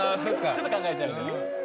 ちょっと考えちゃう。